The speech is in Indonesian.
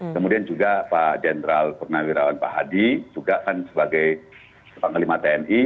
kemudian juga pak jenderal purnawirawan pak hadi juga kan sebagai panglima tni